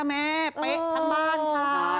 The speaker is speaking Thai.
มันเว้าอ